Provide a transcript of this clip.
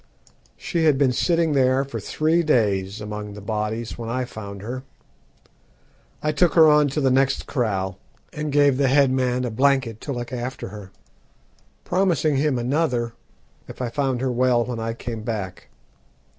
She had been sitting there for three days among the bodies when I found her. I took her on to the next kraal, and gave the headman a blanket to look after her, promising him another if I found her well when I came back.